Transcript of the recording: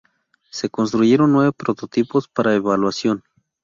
Se construyeron nueve prototipos para evaluación.